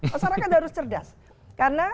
masyarakat harus cerdas karena